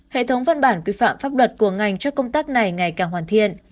hệ thống văn bản quy phạm pháp luật của ngành cho công tác này ngày càng hoàn thiện